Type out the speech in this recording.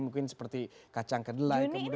mungkin seperti kacang kedelai kemudian juga